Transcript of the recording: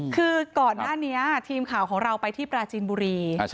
คือก่อนหน้านี้ทีมข่าวของเราไปที่ปราจีนบุรี